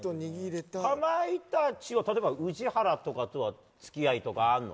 かまいたちは宇治原とかとは付き合いとかあるの？